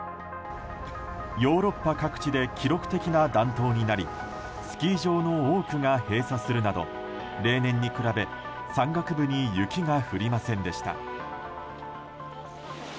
ヨーロッパ各地で記録的な暖冬になりスキー場の多くが閉鎖するなど例年に比べ山岳部に雪が降りませんでした。